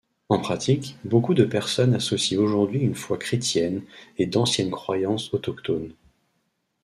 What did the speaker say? En pratique, beaucoup de personnes associent aujourd'hui une foi chrétienne et d'anciennes croyances autochtones.